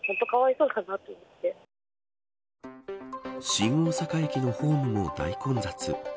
新大阪駅のホームも大混雑。